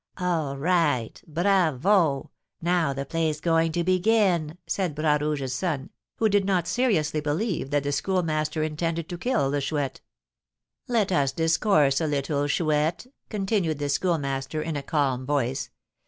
"All right! Bravo! Now the play's going to begin!" said Bras Rouge's son, who did not seriously believe that the Schoolmaster intended to kill the Chouette. "Let us discourse a little, Chouette," continued the Schoolmaster, in a calm voice.